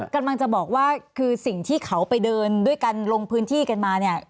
กำลังจะบอกว่าคือสิ่งที่เขาไปเดินด้วยกันลงพื้นที่กันมาเนี่ย